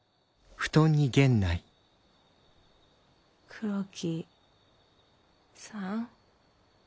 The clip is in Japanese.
黒木さん？